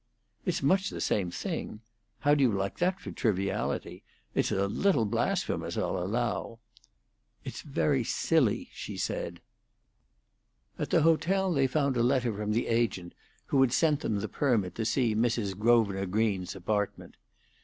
"It's much the same thing. How do you like that for triviality? It's a little blasphemous, I'll allow." "It's very silly," she said. At the hotel they found a letter from the agent who had sent them the permit to see Mrs. Grosvenor Green's apartment.